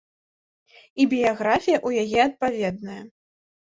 І біяграфія ў яе адпаведная.